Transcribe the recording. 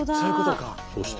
そして。